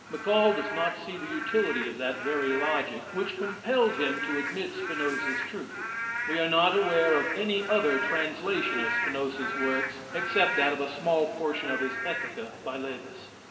Maccall does not see the utility of that very logic which compelled him to admit Spinoza's truth. We are not aware of any other translation of Spinoza's works except that of a small portion of his "Ethica," by Lewes.